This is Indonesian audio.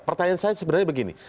pertanyaan saya sebenarnya begini